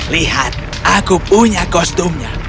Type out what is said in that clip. lihat aku punya kostumnya